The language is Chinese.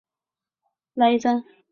蓝玉簪龙胆为龙胆科龙胆属的植物。